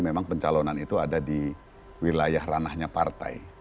memang pencalonan itu ada di wilayah ranahnya partai